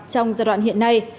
trong giai đoạn hiện nay